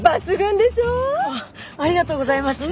ありがとうございます。